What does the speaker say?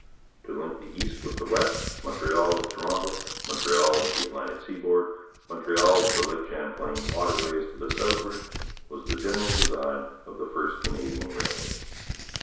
To link the East with the West, Montreal with Toronto, Montreal with the Atlantic seaboard, Montreal with the Lake Champlain waterways to the southward, was the general design of the first Canadian railways.